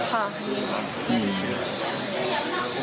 ค่ะมี